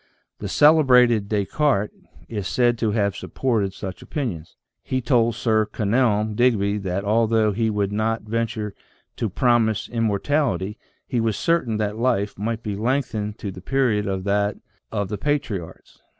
The celebrated Descartes is said to have supported such opinions ; he told Sir Kenelm Digby that although he would not venture to promise im mortality, he was certain that life might be lengthened to UNIVERSAL MEDICINE AND ELIXIR OF LIFE 97 the period of that of the Patriarchs.